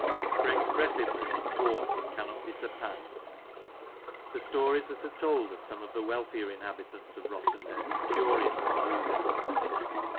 For expressiveness and force it cannot be surpassed. The stories that are told of some of the wealthier inhabitants of Rossendale are curious and amusing.